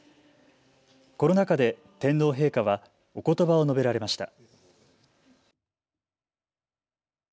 この中で天皇陛下はおことばを述べられました。